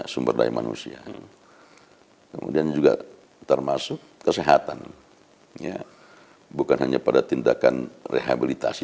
sumber daya manusia kemudian juga termasuk kesehatan ya bukan hanya pada tindakan rehabilitasi